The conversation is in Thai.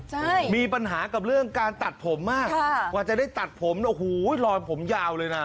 ใช่มีปัญหากับเรื่องการตัดผมมากค่ะกว่าจะได้ตัดผมโอ้โหลอยผมยาวเลยนะ